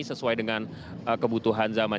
sesuai dengan kebutuhan zaman